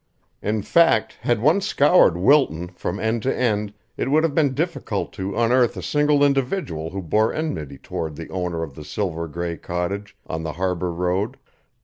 In fact had one scoured Wilton from end to end it would have been difficult to unearth a single individual who bore enmity toward the owner of the silver gray cottage on the Harbor Road.